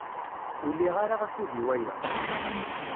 Ur liɣ ara akud i waya.